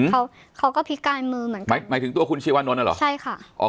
เขาเขาก็พิการมือเหมือนกันหมายถึงตัวคุณชีวานนท์น่ะเหรอใช่ค่ะอ๋อ